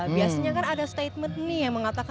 biasanya kan ada statement nih yang mengatakan